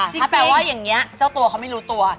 ถ้าแปลว่าอย่างนี้เจ้าตัวเขาไม่รู้ตัว